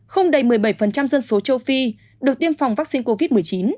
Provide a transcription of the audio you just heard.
không đầy một mươi bảy dân số châu phi được tiêm phòng vaccine covid một mươi chín